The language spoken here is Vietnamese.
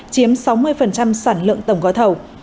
chiếm sáu mươi sản lượng tổng gói thầu